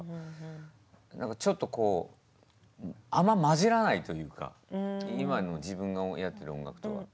ちょっとこうあんままじらないというか今の自分のやってる音楽とは。